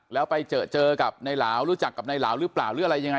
แล้วไปเจอเจอกับนายหลาวรู้จักกับนายหลาวหรือเปล่าหรืออะไรยังไง